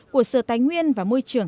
của sở tài nguyên và môi trường